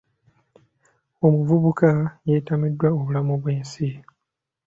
Omuvubuka yeetamiddwa obulamu bw'ensi.